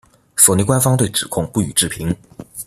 索尼官方对指控不予置评。